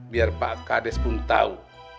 biar pak kades pun tahu